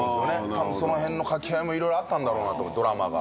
たぶんその辺の掛け合いもいろいろあったんだろうとドラマが。